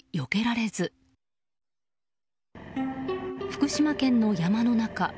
福島県の山の中。